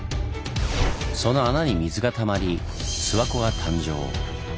その穴に水がたまり諏訪湖が誕生。